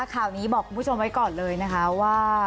ค่อนี้บอกก็ไหมก่อนเลยนะครับว่า